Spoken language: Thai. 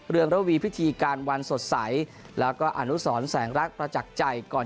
เรืองระวีพิธีการวันสดใสแล้วก็อนุสรแสงรักประจักษ์ใจก่อน